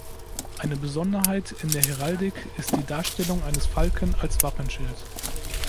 Eine Besonderheit in der Heraldik ist die Darstellung eines Falken als Wappenschild.